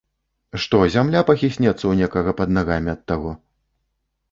Што, зямля пахіснецца ў некага пад нагамі ад таго?!